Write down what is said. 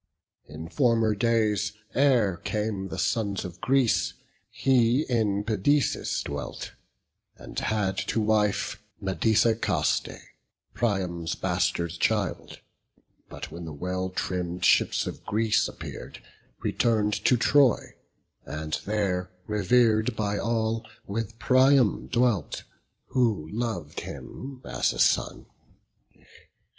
In former days, ere came the sons of Greece, He in Pedaeus dwelt, and had to wife Medesicaste, Priam's bastard child; But when the well trimm'd ships of Greece appear'd, Return'd to Troy; and there, rever'd by all, With Priam dwelt, who lov'd him as a son.